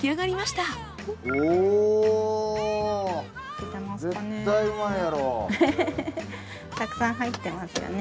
たくさん入ってますよね。